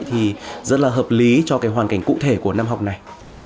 thì rất là hợp lý cho cái hoàn cảnh cụ thể của năm học này